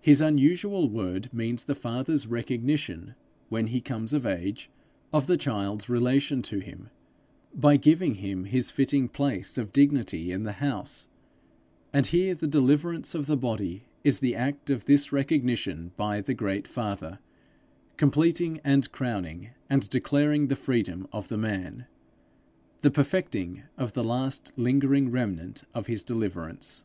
His unusual word means the father's recognition, when he comes of age, of the child's relation to him, by giving him his fitting place of dignity in the house; and here the deliverance of the body is the act of this recognition by the great Father, completing and crowning and declaring the freedom of the man, the perfecting of the last lingering remnant of his deliverance.